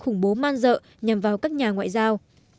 khủng bố man dợ nhằm vào các nhà ngoại giao